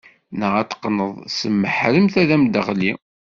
Neɣ ad t-teqqneḍ s tmeḥremt ad am-d-teɣli.